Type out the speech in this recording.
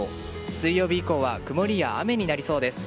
水曜日以降は曇りや雨になりそうです。